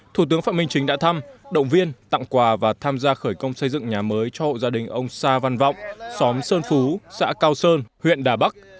thủ tướng phạm minh chính đã thăm động viên tặng quà và tham gia khởi công xây dựng nhà mới cho hộ gia đình ông sa văn vọng xóm sơn phú xã cao sơn huyện đà bắc